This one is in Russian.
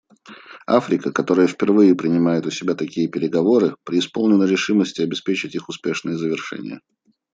Африка, которая впервые принимает у себя такие переговоры, преисполнена решимости обеспечить их успешное завершение.